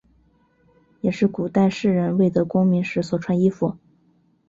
也是古代士人未得功名时所穿衣服。